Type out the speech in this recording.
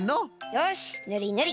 よしぬりぬり。